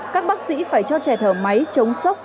các bác sĩ phải cho trẻ thở máy chống sốc